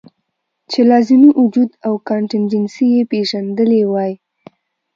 چې لازمي وجود او کانټينجنسي ئې پېژندلي وے -